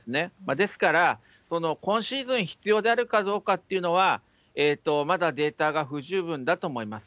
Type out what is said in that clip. ですから、今シーズン必要であるかどうかっていうのは、まだデータが不十分だと思います。